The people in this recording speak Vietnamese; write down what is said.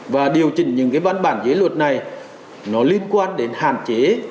và điều chỉnh những cái văn bản dưới luật này nó liên quan đến hạn chế